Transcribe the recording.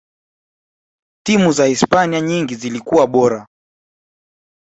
timu za hispania nyingi zilikuwa bora